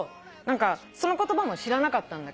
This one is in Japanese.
その言葉も知らなかったんだけど。